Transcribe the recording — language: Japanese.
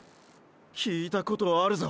聞いたことあるぞ！